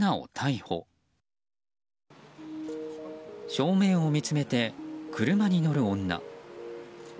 正面を見つめて車に乗る女。